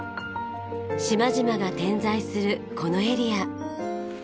島々が点在するこのエリア。